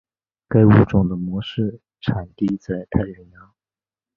该物种的模式产地在太平洋。